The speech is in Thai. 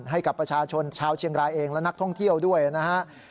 ให้กับประชาชนชาวเชียงรายเองและนักท่องเที่ยวด้วยนะฮะ